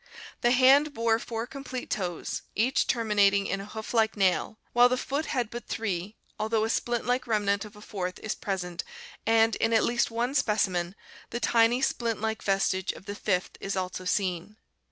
The hand bore four com plete toes, each terminating in a hoof like nail, while the foot HORSES 613 had but three, although a splint like remnant of a fourth is present and, in at least one specimen, the tiny splint like vestige of the fifth is also seen.